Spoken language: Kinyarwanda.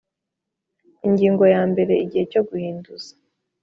Ingingo ya mbere Igihe cyo guhinduza